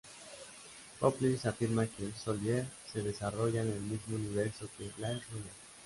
Peoples afirma que "Soldier" se desarrolla en el mismo universo que "Blade Runner".